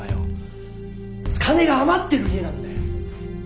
金が余ってる家なんだよ！